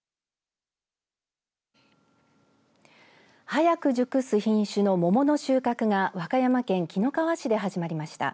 早く熟す品種の桃の収穫が和歌山県紀の川市で始まりました。